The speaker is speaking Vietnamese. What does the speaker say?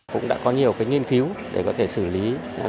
cũng đã có nhiều nghiên cứu để có thể xử lý